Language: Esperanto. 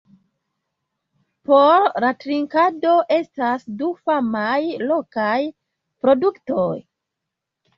Por la trinkado estas du famaj lokaj produktoj.